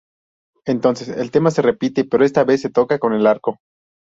Entonces, el tema se repite, pero esta vez, se toca con el arco.